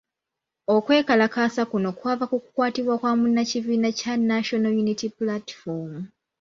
Okwekalakaasa kuno kwava ku kukwatibwa kwa munnakibiina kya National Unity Platform.